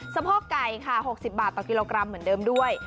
สะโพกไก่ค่ะ๖๐บาทต่อกิโลกรัมเหมือนเดิมด้วย